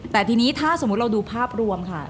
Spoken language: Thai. แต่ทีนี้ถ้าสมมุติเราดูภาพรวมค่ะ